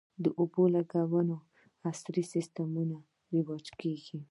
د اوبولګولو عصري سیستمونه رواج کیږي